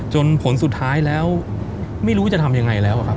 ผลสุดท้ายแล้วไม่รู้จะทำยังไงแล้วครับ